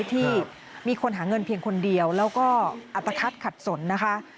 ที่มีคนหาเงินเพียงคนเดียวแล้วก็อัตภัทขัดสนนะคะ